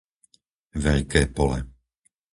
Veľké Pole